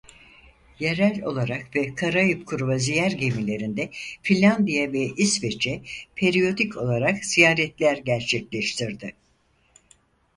Yerel olarak ve Karayip kruvaziyer gemilerinde Finlandiya ve İsveç'e periyodik olarak ziyaretler gerçekleştirdi.